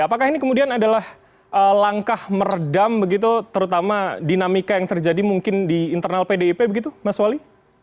apakah ini kemudian adalah langkah meredam begitu terutama dinamika yang terjadi mungkin di internal pdip begitu mas wali